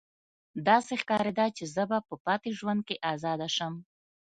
داسې ښکاریده چې زه به په پاتې ژوند کې ازاده شم